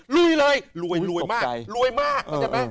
รวยเลยรวยรวยรวยมาก